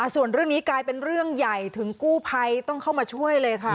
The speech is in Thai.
ส่วนเรื่องนี้กลายเป็นเรื่องใหญ่ถึงกู้ภัยต้องเข้ามาช่วยเลยค่ะ